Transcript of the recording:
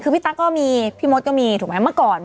คือพี่ตั๊กก็มีพี่มดก็มีถูกไหมเมื่อก่อน